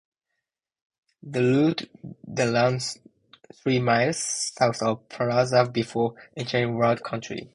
The route then runs three miles south of Plaza before entering Ward County.